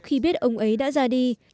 khi biết ông ấy đã ra đi